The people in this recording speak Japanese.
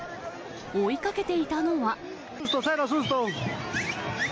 追いかけていたのは。